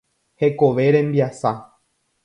Hekove rembiasa.